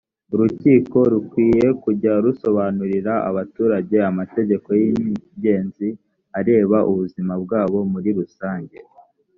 urukiko rukwiye kujya rusobanurira abaturage amategeko y’ingenzi areba ubuzima bwabo muri rusange